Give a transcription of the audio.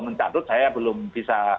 mencatut saya belum bisa